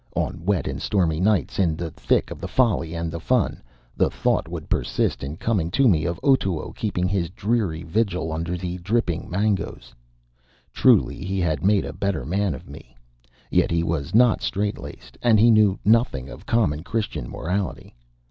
On wet and stormy nights, in the thick of the folly and the fun, the thought would persist in coming to me of Otoo keeping his dreary vigil under the dripping mangoes. Truly, he made a better man of me. Yet he was not strait laced. And he knew nothing of common Christian morality.